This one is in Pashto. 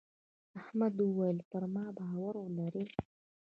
احمد وويل: پر ما باور لرې.